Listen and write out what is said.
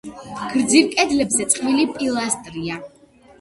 გრძივ კედლებზე წყვილი პილასტრია.